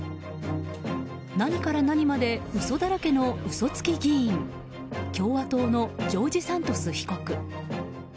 何から何まで嘘だらけの嘘つき議員共和党のジョージ・サントス被告。